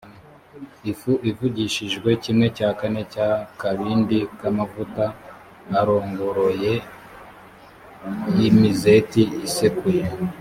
ifu ivugishijwe kimwe cya kane cy’akabindi k’amavuta arongoroye y’imizeti isekuye.